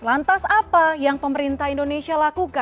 lantas apa yang pemerintah indonesia lakukan